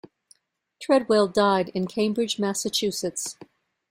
Treadwell died in Cambridge, Massachusetts.